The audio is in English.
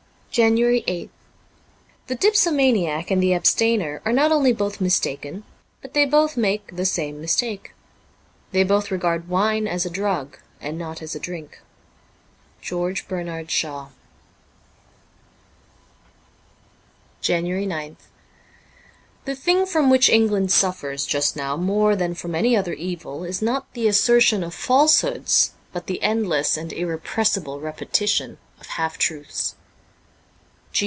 JANUARY 8th THE dipsomaniac and the abstainer are not only both mistaken, but they both make the same mistake. They both regard wine as a drug and not as a drink. ' George Bernard Shaw.' JANUARY 9th THE thing from which England suffers just now more than from any other evil is not the assertion of falsehoods, but the endless and irrepressible repetition of half truths.